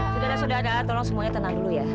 sudah sudah mbak tolong semuanya tenang dulu ya